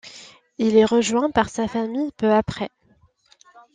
Il est rejoint par sa famille peu après.